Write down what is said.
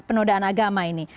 penodaan agama ini